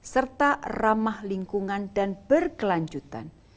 serta ramah lingkungan dan berkelanjutan